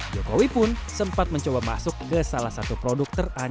jokowi pun sempat mencoba masuk ke salah satu produk terbesar